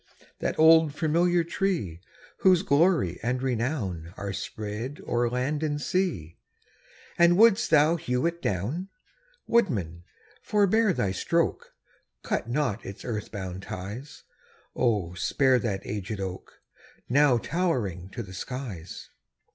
That old familiar tree, Whose glory and renown Are spread o'er land and sea And wouldst thou hew it down? Woodman, forebear thy stroke! Cut not its earth bound ties; Oh, spare that aged oak, Now towering to the skies!